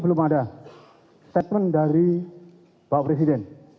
belum ada statement dari bapak presiden